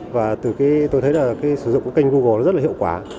và tôi thấy sử dụng kênh google rất hiệu quả